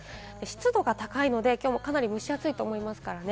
湿度が高いのできょうもかなり蒸し暑いと思いますからね。